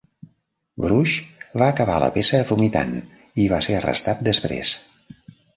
Brus va acabar la peça vomitant i va ser arrestat després.